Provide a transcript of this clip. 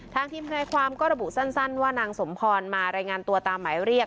ทีมทนายความก็ระบุสั้นว่านางสมพรมารายงานตัวตามหมายเรียก